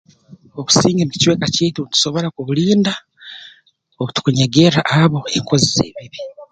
Obusinge mu kicweka kyaitu ntusobora kubulinda obutukunyegerra abo enkozi z'ebibi